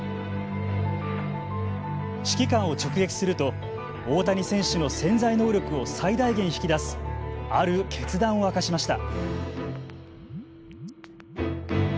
指揮官を直撃すると大谷選手の潜在能力を最大限引き出すある決断を明かしました。